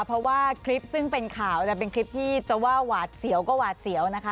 เพราะว่าคลิปซึ่งเป็นข่าวจะเป็นคลิปที่จะว่าหวาดเสียวก็หวาดเสียวนะคะ